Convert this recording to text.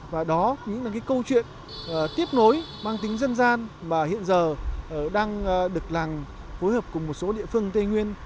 và đó là những câu chuyện tiếp nối mang tính dân gian mà hiện giờ đang được phối hợp cùng một số địa phương tây nguyên